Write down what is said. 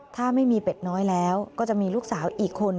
ถ้าไม่มีเป็ดน้อยแล้วก็จะมีลูกสาวอีกคน